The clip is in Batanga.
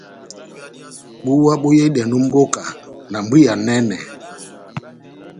Búwa boyehidɛndi ó mbóka na mbwiya enɛnɛ.